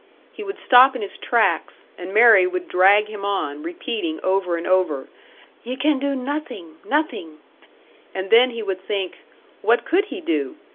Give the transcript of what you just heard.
He would stop in his tracks, and Mary would drag him on, repeating over and over, "Ye can do nothin'! Nothin'!" And then he would think, What could he do?